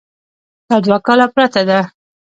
دا دوه کاله پرته ده.